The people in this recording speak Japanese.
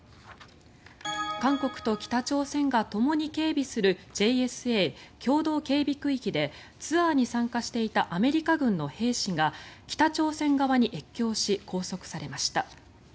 韓国と北朝鮮がともに警備するＪＳＡ・共同警備区域でツアーに参加していたアメリカ軍の兵士が北朝鮮側に越境し拘束されました。